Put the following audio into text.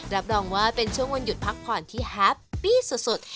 รับรองว่าเป็นช่วงวันหยุดพักผ่อนที่แฮปปี้สุด